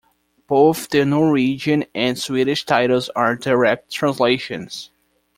Both the Norwegian and Swedish titles are direct translations.